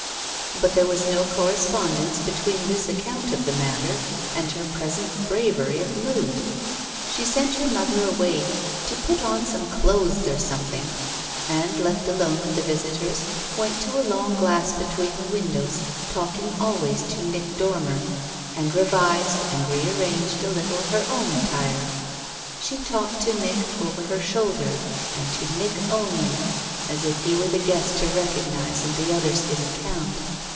but there was no correspondence between this account of the matter and her present bravery of mood. She sent her mother away to "put on some clothes or something" and, left alone with the visitors, went to a long glass between the windows, talking always to Nick Dormer, and revised and rearranged a little her own attire. She talked to Nick, over her shoulder, and to Nick only, as if he were the guest to recognise and the others didn't count.